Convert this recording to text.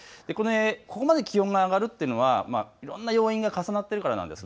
ここまで気温が上がるというのはいろんな要因が重なっているからなんです。